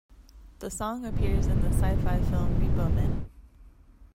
The song appears in the sci-fi film Repo Men.